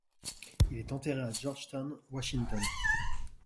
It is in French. Il est enterré au à Georgetown, Washington.